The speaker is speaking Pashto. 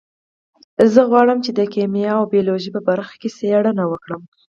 زه غواړم چې د کیمیا او بیولوژي په برخه کې څیړنه وکړم